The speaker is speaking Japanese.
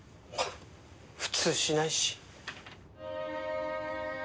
普通しないし。